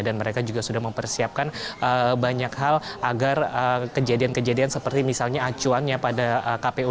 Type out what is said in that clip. dan mereka juga sudah mempersiapkan banyak hal agar kejadian kejadian seperti misalnya acuannya pada kpu